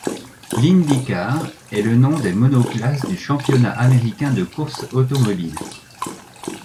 L'IndyCar est le nom des monoplaces du Championnat américain de course automobile.